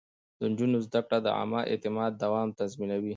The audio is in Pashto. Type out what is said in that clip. د نجونو زده کړه د عامه اعتماد دوام تضمينوي.